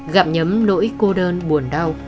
gặm nhấm nỗi cô đơn buồn đau